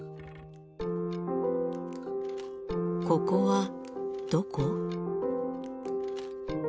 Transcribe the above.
ここはどこ？